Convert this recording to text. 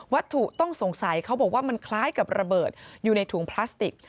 ถูกต้องสงสัยเขาบอกว่ามันคล้ายกับระเบิดอยู่ในถุงพลาสติก